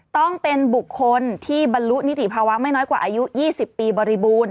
ต้องเป็นบุคคลที่บรรลุนิติภาวะไม่น้อยกว่าอายุ๒๐ปีบริบูรณ